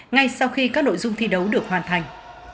ngay sau khi các nội dung thi đấu được hoàn thành